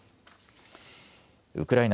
ウクライナ